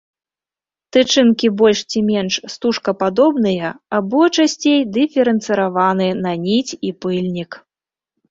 Тычынкі больш ці менш стужкападобныя, або, часцей, дыферэнцыраваны на ніць і пыльнік.